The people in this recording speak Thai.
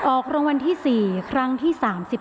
ออกรางวัลที่๔ครั้งที่๓๑